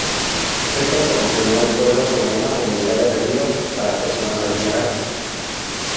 Clayton promocionó el pueblo como una comunidad de retiro para personas adineradas.